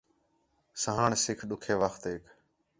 سہاݨ سُکھ ݙُکّھے وختیک